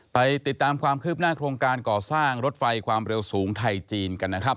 ไปติดตามความคืบหน้าโครงการก่อสร้างรถไฟความเร็วสูงไทยจีนกันนะครับ